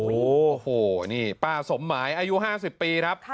โอ้โหนี่ป้าสมหมายอายุ๕๐ปีครับ